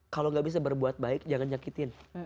kalau gak bisa berbuat baik jangan nyakitin